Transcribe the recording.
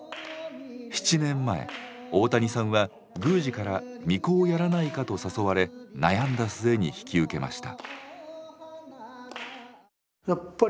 ７年前大谷さんは宮司から巫女をやらないかと誘われ悩んだ末に引き受けました。